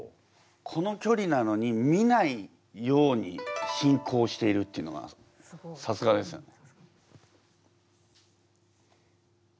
このきょりなのに見ないように進行しているっていうのがさすがですよね。